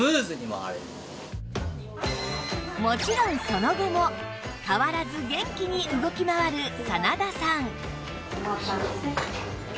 もちろんその後も変わらず元気に動き回る真田さん